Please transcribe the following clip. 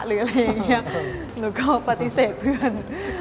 ก็ก็ปฏิเสธเพื่อน